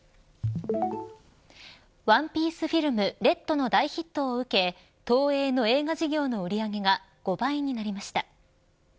ＯＮＥＰＩＥＣＥＦＩＬＭＲＥＤの大ヒットを受け東映の映画事業の売り上げが５倍になりました。